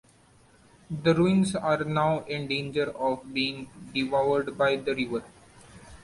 The ruins are now in danger of being devoured by the river.